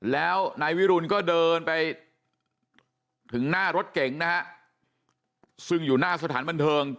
แล้วนายวิรุณก็เดินไปถึงหน้ารถเก๋งนะฮะซึ่งอยู่หน้าสถานบันเทิง